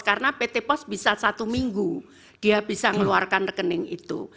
karena pt pos bisa satu minggu dia bisa mengeluarkan rekening itu